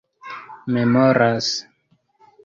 memoras